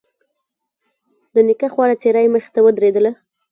د نيکه خواره څېره يې مخې ته ودرېدله.